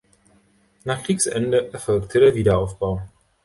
Nach Kriegsende erfolgte der Wiederaufbau.